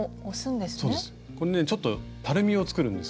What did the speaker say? ちょっとたるみを作るんです。